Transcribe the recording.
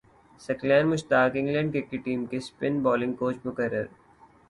ثقلین Mushtaq England cricket team کے spin bowling coach مقرر